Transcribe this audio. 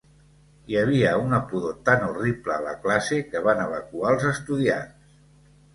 Hi havia una pudor tan horrible a la classe que van evacuar als estudiants.